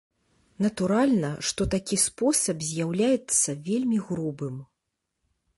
Натуральна, што такі спосаб з'яўляецца вельмі грубым.